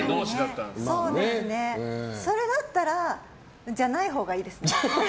それだったらそうじゃないほうがいいですね。